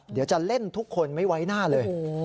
เดี๋ยวจะเล่นทุกคนไม่ไว้หน้าเลย